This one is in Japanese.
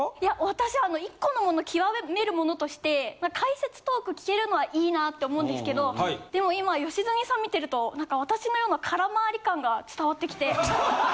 私１個のもの極める者として解説トーク聞けるのはいいなぁって思うんですけどでも今良純さん見てると何か私のような空回り感が伝わってきて。